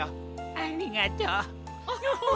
ありがとう。